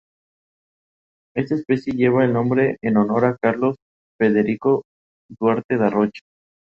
Sus obras se basan siempre en investigaciones históricas.